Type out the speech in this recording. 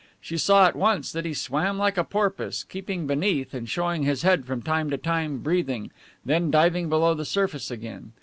She saw at once that he swam like a porpoise, keeping beneath and showing his head from time to time, breathing, then diving below the surface again.